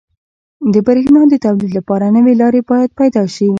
• د برېښنا د تولید لپاره نوي لارې باید پیدا شي.